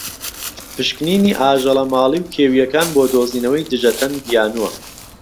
پشکنینی ئاژەڵە ماڵی و کێویەکان بۆ دۆزینەوەی دژەتەن بیانوە.